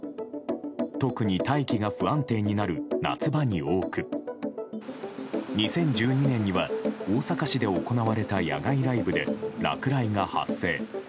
特に、大気が不安定になる夏場に多く２０１２年には大阪市で行われた野外ライブで落雷が発生。